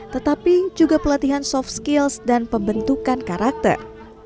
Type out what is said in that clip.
tetapi juga pelatihan soft skills dan pembentukan karakter